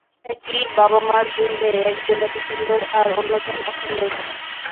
একই বাবা-মার দুই মেয়ে-একজন এত সুন্দর আর অন্যজন অসুন্দর কেন?